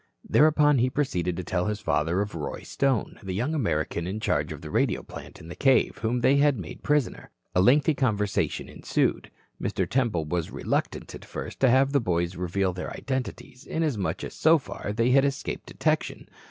Thereupon he proceeded to tell his father of Roy Stone, the young American in charge of the radio plant in the cave, whom they had made prisoner. A lengthy conversation ensued. Mr. Temple was reluctant at first to have the boys reveal their identities inasmuch as so far they had escaped detection.